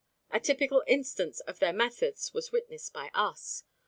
A typical instance of their methods was witnessed by us.